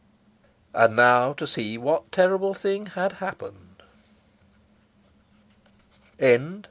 And now to see what terrible thing had happened.